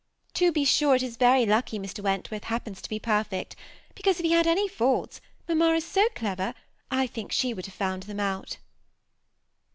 To be sure, it is very lucky Mr. Wentworth happens to be perfect, because, if he had had any faults, mamma is so clever, I think she would have found them out."